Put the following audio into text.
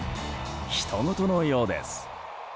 ひとごとのようです。